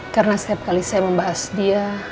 karena setiap kali saya membahas dia